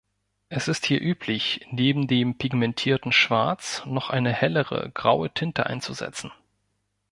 Es ist hier üblich, neben dem pigmentierten Schwarz noch eine hellere graue Tinte einzusetzen.